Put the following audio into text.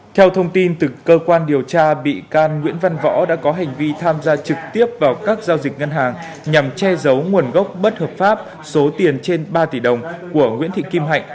theo thông tin từ cơ quan điều tra bị can nguyễn văn võ đã có hành vi tham gia trực tiếp vào các giao dịch ngân hàng nhằm che giấu nguồn gốc bất hợp pháp số tiền trên ba tỷ đồng của nguyễn thị kim hạnh